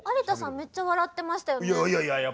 めっちゃ笑ってましたよね。